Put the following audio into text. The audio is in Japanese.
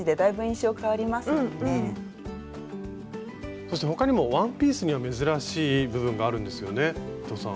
そして他にもワンピースには珍しい部分があるんですよね伊藤さん。